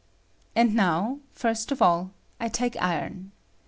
And now, first of all, I take iron.